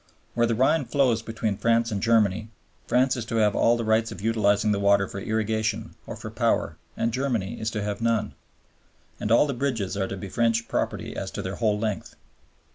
Where the Rhine flows between France and Germany, France is to have all the rights of utilizing the water for irrigation or for power and Germany is to have none; and all the bridges are to be French property as to their whole length.